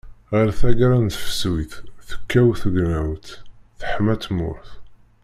Γer taggara n tefsut, tekkaw tegnawt, teḥma tmurt.